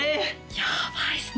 やばいですね